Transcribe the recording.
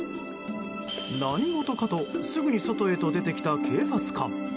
何事かとすぐに外へと出てきた警察官。